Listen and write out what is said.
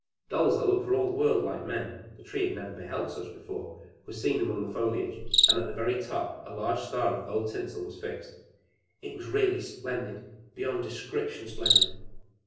Dolls that looked for all the world like men the Tree had never beheld such before were seen among the foliage, and at the very top a large star of gold tinsel was fixed. It was really splendid beyond description splendid.